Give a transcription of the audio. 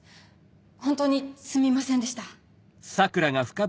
本当にすみませんでした。